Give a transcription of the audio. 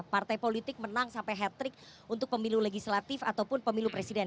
partai politik menang sampai hat trick untuk pemilu legislatif ataupun pemilu presiden